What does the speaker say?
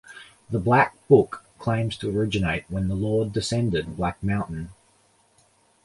The "Black Book" claims to originate when the Lord descended Black Mountain.